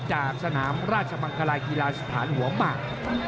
จากสนามราชมังคลากีฬาสถานหัวหมาก